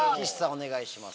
お願いします。